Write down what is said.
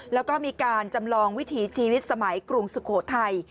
แล้วก็มีการจำลองวิถีชีวิตสมัยกรุงสุโขทัย